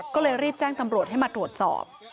ก็เลยรีบแจ้งตำรวจให้มาตรวจสอบ